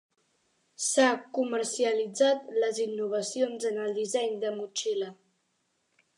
S'ha comercialitzat les innovacions en el disseny de motxilla.